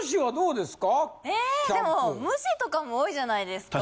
えでも虫とかも多いじゃないですか。